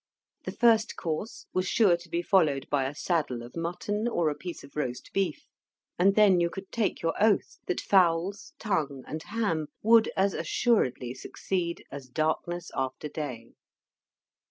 The first course was sure to be followed by a saddle of mutton or a piece of roast beef; and then you could take your oath that fowls, tongue, and ham, would as assuredly succeed as darkness after day.